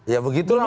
ya begitu namanya